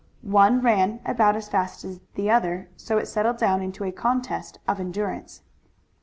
One ran about as fast as the other, so it settled down into a contest of endurance.